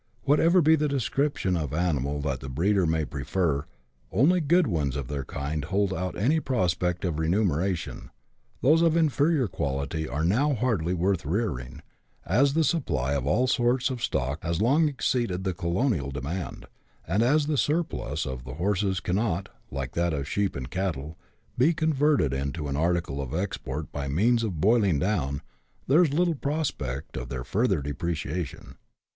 Whatever be the description of animal that the breeder may prefer, only good ones of their kind hold out any prospect of remuneration ; those of inferior quality are now hardly worth rearing, as the supply of all sorts of stock has long exceeded the colonial demand ; and as the surplus of the horses cannot, like that of the sheep and cattle, be converted into an article of export by means of boiling down, there is little prospect but of their further depreciation.